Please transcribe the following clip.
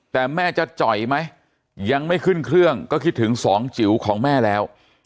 แต่แม่จะจ่อยไหมยังไม่ขึ้นเครื่องก็คิดถึงสองจิ๋วของแม่แล้ว